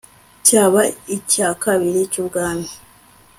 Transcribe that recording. cyaba icya kabiri cy ubwami